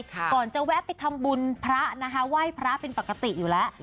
ก่อนจะแวะไปทำบุญพระนะคะไหว้พระเป็นปกติอยู่แล้ว